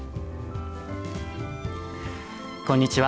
こんにちは。